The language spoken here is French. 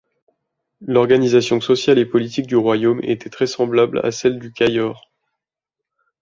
L'organisation sociale et politique du royaume était très semblable à celle du Cayor.